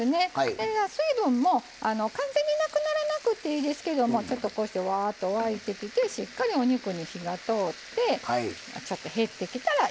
で水分も完全になくならなくていいですけどちょっとこうしてわっと沸いてきてしっかりお肉に火が通ってちょっと減ってきたらいい感じ。